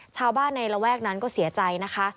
ชาวบ้านในระแวกนั้นก็เสียใจนะคะ